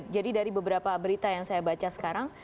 jadi dari beberapa berita yang saya baca sekarang